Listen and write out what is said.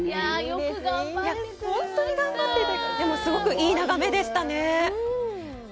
よく頑張ってて、でも、すごくいい眺めでしたね。